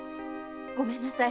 ごめんなさい。